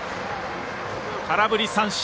空振り三振。